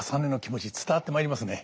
伝わってまいりますね。